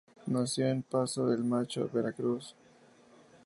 Nació en Paso del Macho, Veracruz.